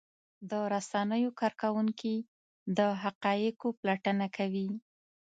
د رسنیو کارکوونکي د حقایقو پلټنه کوي.